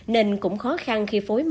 nên cũng khó khăn khi phối màu